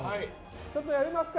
ちょっとやりますか